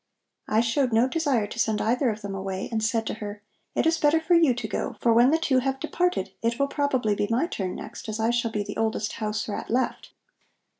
"I showed no desire to send either of them away, and said to her: 'It is better for you to go, for when the two have departed, it will probably be my turn next, as I shall be the oldest house rat left.'